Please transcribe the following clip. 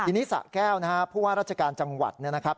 ทีนี้สะแก้วนะครับผู้ว่าราชการจังหวัดเนี่ยนะครับ